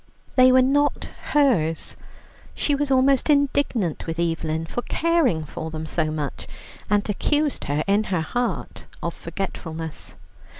They were not hers; she was almost indignant with Evelyn for caring for them so much, and accused her in her heart of forgetfulness.